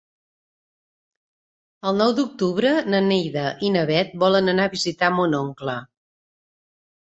El nou d'octubre na Neida i na Bet volen anar a visitar mon oncle.